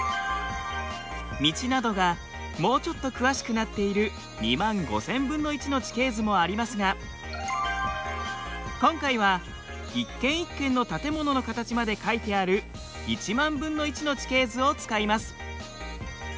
道などがもうちょっと詳しくなっている２万５０００分の１の地形図もありますが今回は一軒一軒の建物の形まで描いてある１万分の１の地形図を使います。